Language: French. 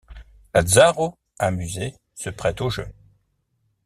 Lazaro, amusé, se prête au jeu.